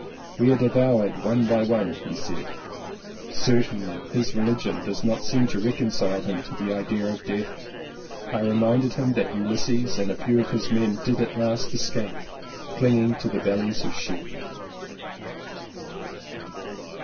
"We are devoured one by one!" he said. Certainly his religion does not seem to reconcile him to the idea of 230 LLEWELLYN POWYS death. I reminded him that Ulysses and a few of his men did at last escape clinging to the bellies of the sheep.